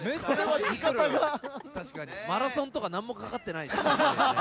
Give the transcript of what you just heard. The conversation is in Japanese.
マラソンとか何も掛かってない。